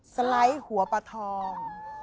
คว้ายฝั่งหัวปลาทอง